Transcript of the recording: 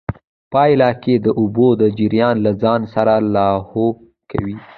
پايله کې د اوبو جريان له ځان سره لاهو کوي.